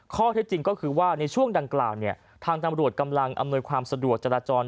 ข้อเท็จจริงก็คือว่าในช่วงดังกล่าวเนี่ยทางตำรวจกำลังอำนวยความสะดวกจราจร